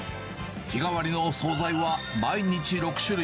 日替わりのお総菜は毎日６種類。